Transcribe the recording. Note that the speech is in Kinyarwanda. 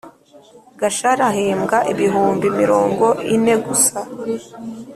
Gashari ahembwa ibihumbi mirongo ine gusa